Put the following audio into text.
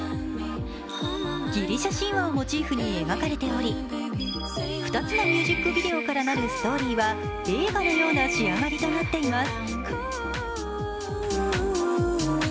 ギリシャ神話をモチーフに描かれており、２つのミュージックビデオからなるストーリーは映画のような仕上がりとなっています。